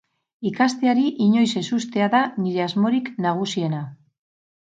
Ikasteari inoiz ez uztea da nire asmorik nagusiena.